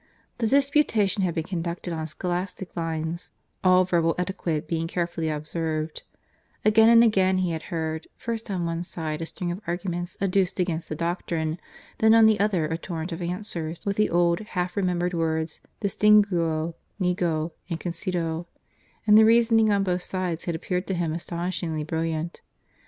The disputation had been conducted on scholastic lines, all verbal etiquette being carefully observed; again and again he had heard, first on one side a string of arguments adduced against the doctrine, then on the other a torrent of answers, with the old half remembered words "Distinguo," "Nego," "Concedo"; and the reasoning on both sides had appeared to him astonishingly brilliant.